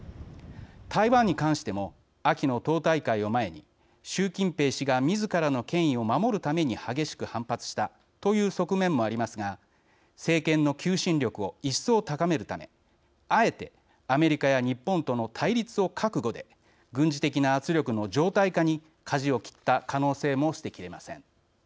台湾に関しても秋の党大会を前に、習近平氏がみずからの権威を守るために激しく反発したという側面もありますが政権の求心力を一層、高めるためあえてアメリカや日本との対立を覚悟で軍事的な圧力の常態化にかじを切った可能性も捨てきれません。